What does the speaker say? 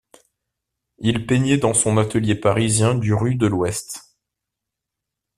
Il peignait dans son atelier parisien du rue de l'Ouest.